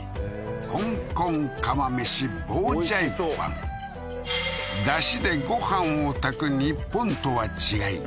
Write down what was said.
香港釜飯ダシでご飯を炊く日本とは違い